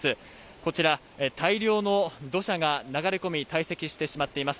こちら、大量の土砂が流れ込み、堆積してしまっています。